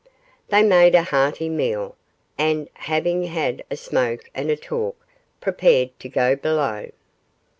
They made a hearty meal, and, having had a smoke and a talk, prepared to go below.